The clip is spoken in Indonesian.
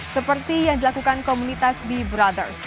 seperti yang dilakukan komunitas be brothers